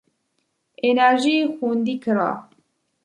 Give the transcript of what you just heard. انرژي خوندي کړه.